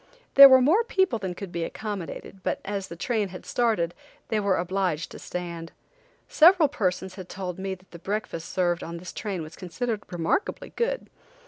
There were more people than could be accommodated, but as the train had started, they were obliged to stand. Several persons had told me that the breakfast served on this train was considered remarkably good.